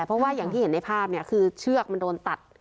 เพราะว่าอย่างที่เห็นในภาพเนี่ยคือเชือกมันโดนตัด